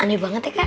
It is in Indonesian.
aneh banget ya kak